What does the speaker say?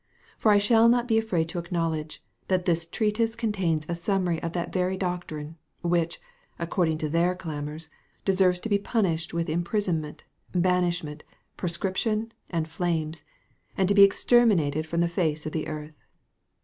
For I shall not be afraid to acknowledge, that this treatise contains a summary of that very doctrine, which, according to their clamours, deserves to be punished with imprisonment, banishment, proscription, and flames, and to be exterminated from the face of the earth.